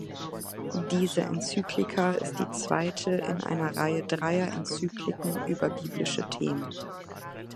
Diese Enzyklika ist die zweite in einer Reihe dreier Enzykliken über biblische Themen.